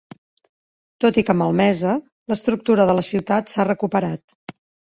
Tot i que malmesa, l'estructura de la ciutat s'ha recuperat.